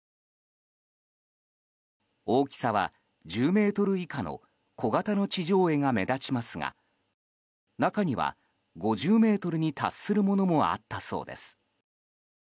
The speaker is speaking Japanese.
大きさは１０ｍ以下の小形の地上絵が目立ちますが中には５０ｍに達するものもあったそうです。